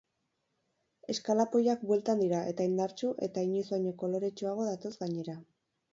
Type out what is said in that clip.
Eskalapoiak bueltan dira eta indartsu eta inoiz baino koloretsuago datoz gainera.